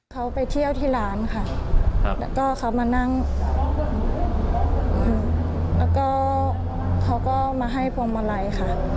เขาไปเที่ยวที่ร้านค่ะแล้วก็เขามานั่งแล้วก็เขาก็มาให้พวงมาลัยค่ะ